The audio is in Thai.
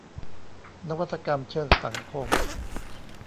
นวัตกรรมเชิงสังคม